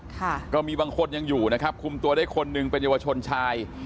ค่ะก็มีบางคนยังอยู่นะครับคุมตัวได้คนหนึ่งเป็นเยาวชนชาย